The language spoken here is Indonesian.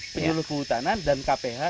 penyuluh kehutanan dan kph